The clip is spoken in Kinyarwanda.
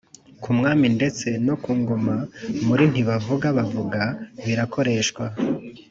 ku Mwami ndetse no ku Ngoma muri Ntibavuga Bavuga birakoreshwa